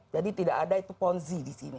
jadi tidak ada itu ponzi di sini